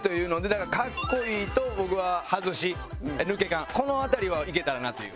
だから「カッコいい」と僕は「ハズし」「抜け感」この辺りはいけたらなという。